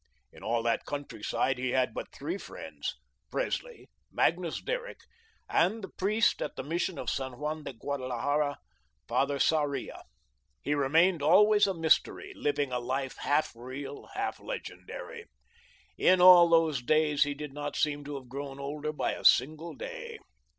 In all that countryside he had but three friends, Presley, Magnus Derrick, and the priest at the Mission of San Juan de Guadalajara, Father Sarria. He remained always a mystery, living a life half real, half legendary. In all those years he did not seem to have grown older by a single day.